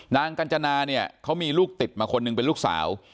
กัญจนาเนี่ยเขามีลูกติดมาคนหนึ่งเป็นลูกสาว